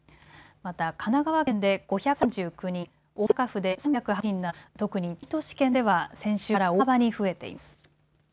また神奈川県で５３９人、大阪府で３８０人など特に大都市圏では先週から大幅に増えています。